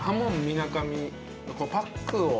みなかみのパックを。